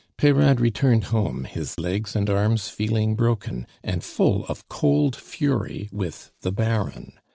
Peyrade returned home, his legs and arms feeling broken, and full of cold fury with the Baron.